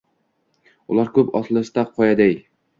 Ular ko‘p olisda, qoyaday